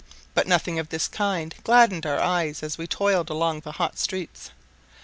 But nothing of this kind gladdened our eyes as we toiled along the hot streets.